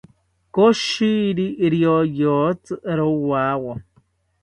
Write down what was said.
Koshiri rioyotsi rowawo